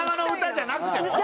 じゃなくても。